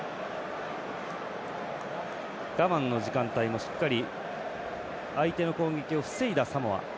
我慢の時間帯もしっかり相手の攻撃をしっかり防いだサモア。